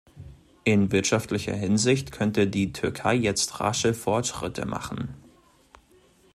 In wirtschaftlicher Hinsicht könnte die Türkei jetzt rasche Fortschritte machen.